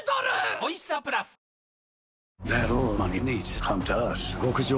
おいしさプラスそれ